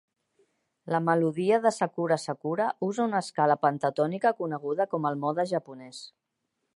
La melodia de "Sakura Sakura" usa una escala pentatònica coneguda com el mode japonès.